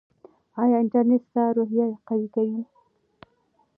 ایا انټرنیټ ستا روحیه قوي کوي؟